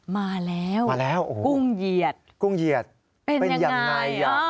มาแล้วกุ้งเหยียดเป็นอย่างไรอยากรู้โอ้โฮมาแล้ว